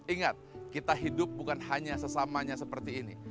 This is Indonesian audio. ingat kita hidup bukan hanya sesamanya seperti ini